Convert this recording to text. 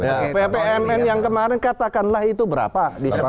ya ppmn yang kemarin katakanlah itu berapa disebutkan